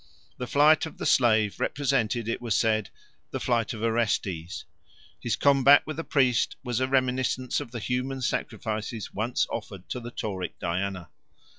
The flight of the slave represented, it was said, the flight of Orestes; his combat with the priest was a reminiscence of the human sacrifices once offered to the Tauric Diana.